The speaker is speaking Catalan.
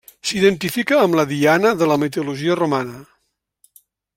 S'identifica amb la Diana de la mitologia romana.